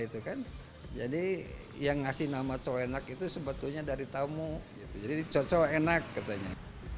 itu kan jadi yang ngasih nama cowenak itu sebetulnya dari tamu jadi cocok enak katanya